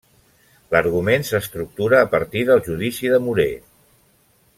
L'argument s'estructura a partir del judici de Murer.